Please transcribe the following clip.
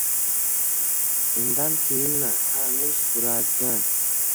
Undankeyinmi? Ha… Men supuradigan